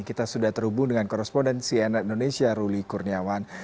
kita sudah terhubung dengan korrespondensi nri indonesia ruli kurniawan